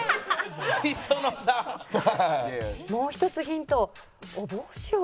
もう一つヒントを。